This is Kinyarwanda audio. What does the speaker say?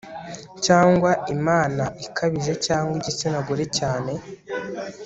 Cyangwa imana ikabije cyangwa igitsina gore cyane